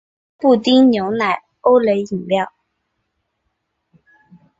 布丁牛奶欧蕾饮料